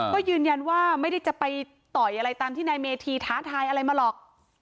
ก็ยืนยันว่าไม่ได้จะไปต่อยอะไรตามที่นายเมธีท้าทายอะไรมาหรอก